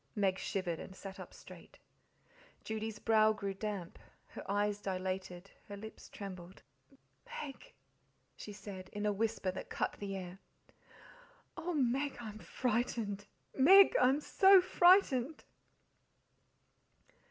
Meg shivered, and sat up straight. Judy's brow, grew damp, her eyes dilated, her lips trembled. "Meg!" she said, in a whisper that cut the air. "Oh, Meg, I'm frightened! MEG, I'm so frightened!"